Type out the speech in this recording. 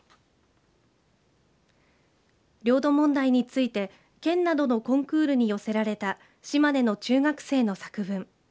領土問題について県などのコンクールに寄せられた島根の中学生の作文。